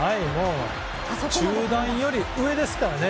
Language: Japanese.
中段より上ですからね。